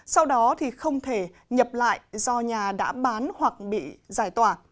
sau đó thì không thể nhập lại do nhà đã bán hoặc bị giải tỏa